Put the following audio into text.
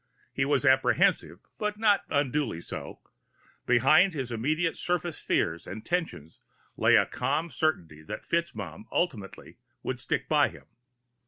He was apprehensive, but not unduly so; behind his immediate surface fears and tensions lay a calm certainty that FitzMaugham ultimately would stick by him.